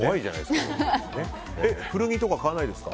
古着とか買わないですか？